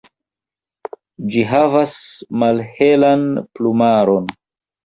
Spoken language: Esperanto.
Ĝi havas malhelan plumaron.